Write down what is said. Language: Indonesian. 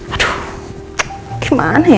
aduh gimana ya